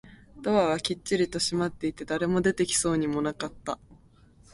ドアはきっちりと閉まっていて、誰も出てきそうもなかった